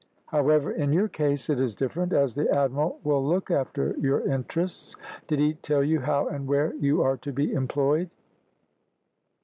"However, in your case it is different, as the admiral will look after your interests. Did he tell you how and where you are to be employed?"